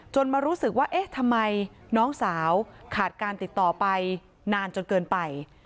มารู้สึกว่าเอ๊ะทำไมน้องสาวขาดการติดต่อไปนานจนเกินไป